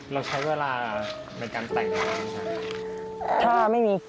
เราใช้เวลาในการแต่งไม่มีร่าง